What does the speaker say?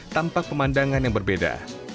tampak pemandangan yang berbeda